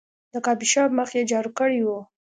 د کافي شاپ مخ یې جارو کړی و.